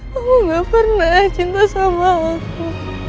kamu gak pernah cinta sama aku